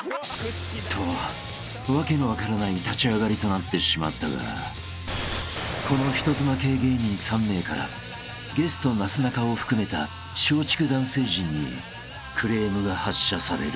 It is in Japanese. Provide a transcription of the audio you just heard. ［と訳の分からない立ち上がりとなってしまったがこの人妻系芸人３名からゲストなすなかを含めた松竹男性陣にクレームが発射される］